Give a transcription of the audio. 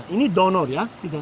ini donor ya